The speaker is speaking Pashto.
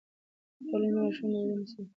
تعلیم د ماشومانو د ودونو د ځنډ سبب کېږي.